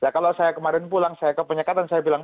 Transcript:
kalau saya kemarin pulang saya ke penyekatan saya bilang